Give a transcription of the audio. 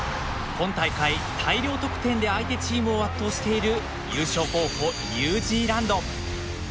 今大会、大量得点で相手チームを圧倒している優勝候補、ニュージーランド。